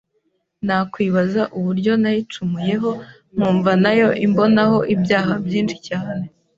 nakwibaza uburyo nayicumuyeho nkumva na yo imbonaho ibyaha byinshi cyane